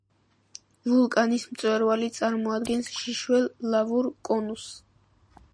ვულკანის მწვერვალი წარმოადგენს შიშველ ლავურ კონუსს.